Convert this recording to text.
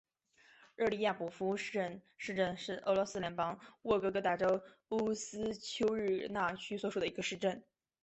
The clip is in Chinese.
热利亚博夫镇市镇是俄罗斯联邦沃洛格达州乌斯秋日纳区所属的一个市镇。